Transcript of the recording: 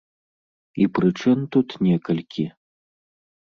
І прычын тут некалькі.